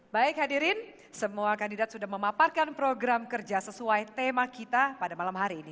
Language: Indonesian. baik hadirin semua kandidat sudah memaparkan program kerja sesuai tema kita pada malam hari ini